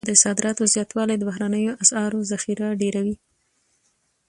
د صادراتو زیاتوالی د بهرنیو اسعارو ذخیرې ډیروي.